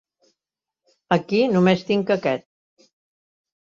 Aquí només tinc aquest.